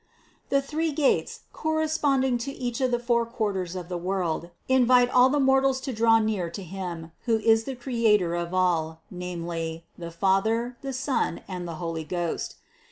The three gates, corresponding to each of the four quarters of the world, invite all the mortals to draw near to Him, who is the Creator of all, namely, the Father, the Son and the Holy Ghost.